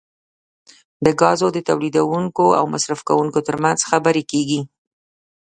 د ګازو د تولیدونکو او مصرفونکو ترمنځ خبرې کیږي